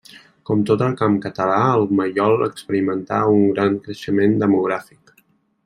Com tot el camp català, el Mallol experimentà un gran creixement demogràfic.